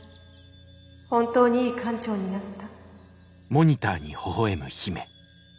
本当にいい艦長になった。